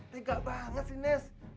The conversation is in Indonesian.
tiga banget sih ness